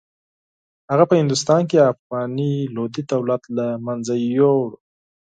هغه په هندوستان کې افغاني لودي دولت له منځه یووړ.